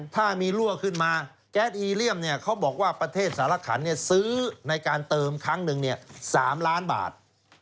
ถ้ามีรั่วขึ้นมาแก๊สอีเรียมเขาบอกว่าประเทศสารขันซื้อในการเติมครั้งหนึ่ง๓ล้านบาท